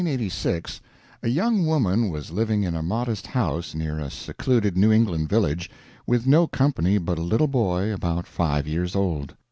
II In 1886 a young woman was living in a modest house near a secluded New England village, with no company but a little boy about five years old.